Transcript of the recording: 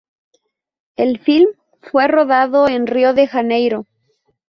El film fue rodado en Río de Janeiro.